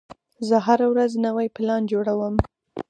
زه هره ورځ نوی پلان جوړوم.